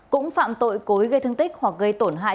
cũng phạm tội cố ý gây thương tích hoặc gây tổn hại